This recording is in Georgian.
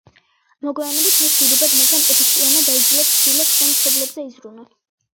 მოგვიანებით, ეს ირიბად, მაგრამ ეფექტიანად აიძულებს შვილებს, რომ მშობლებზე იზრუნონ.